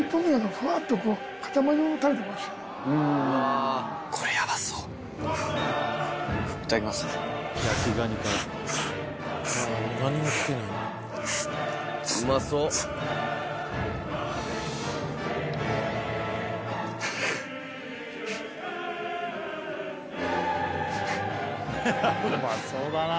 フフうまそうだな。